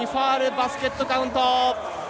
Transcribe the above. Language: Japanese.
バスケットカウント。